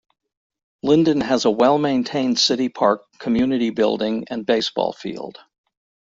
Linden has a well maintained city park, community building, and baseball field.